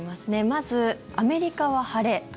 まず、アメリカは晴れ。